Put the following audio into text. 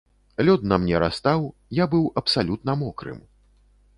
Лёд на мне растаў, я быў абсалютна мокрым.